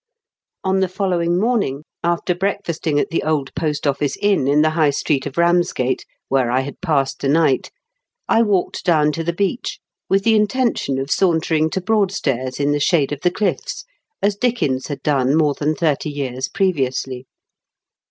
On the following morning, after breakfasting at The Old Post Office Inn, in the High Street of Eamsgate, where I had passed the night, I walked down to the beach, with the intention of sauntering to Broadstairs in the shade of the cliffs as Dickens had done more than thirty years previously.